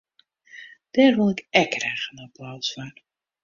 Dêr wol ik ek graach in applaus foar.